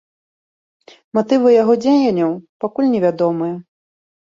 Матывы яго дзеянняў пакуль невядомыя.